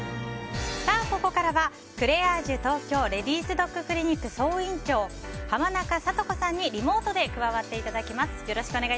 ここからはクレアージュ東京レディースドッククリニック総院長浜中聡子さんにリモートで加わっていただきます。